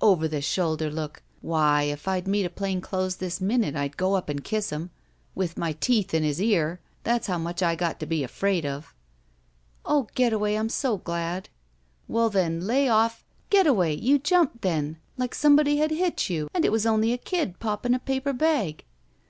"Over the shoulder look. Why, if I'd meet a plain clothes this minute I'd go up and kiss him— with my teeth in his ear. That's how much I got to be afraid of." "Oh, Getaway, I'm so glad!" "Well, then, lay off—" "Getaway, you jiunped then! Like somebody had hit you, and it was only a kid popping a paper bag."